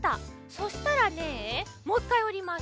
そしたらねもう１かいおります。